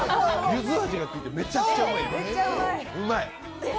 ゆず味がついてめちゃくちゃいい。